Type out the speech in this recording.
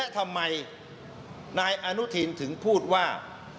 ทำไมนายอนุทินถึงพูดว่า